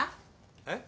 えっ？